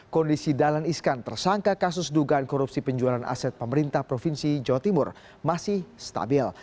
kondisi dahlan iskan tersangka kasus dugaan korupsi penjualan aset pemerintah provinsi jawa timur masih stabil